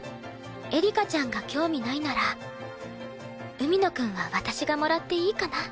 エリカちゃんが興味ないなら海野くんは私がもらっていいかな？